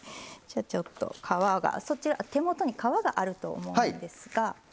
ちょっと皮がそちら手元に皮があると思うんですが。